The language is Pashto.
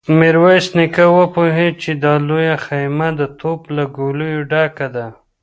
ميرويس نيکه وپوهيد چې دا لويه خيمه د توپ له ګوليو ډکه ده.